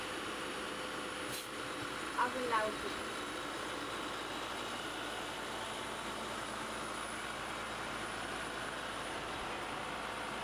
aglautit